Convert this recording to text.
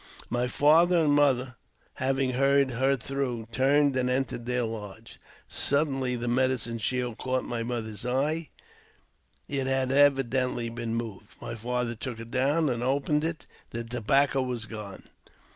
|l My father and mother, having heard her through, turned and entered their lodge. Suddenly the medicine shield caught my mother's eye — it had evidently been moved. My fathei took it down and opened it — the tobacco was gone.